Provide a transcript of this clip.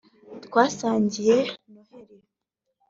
twasangiye noheli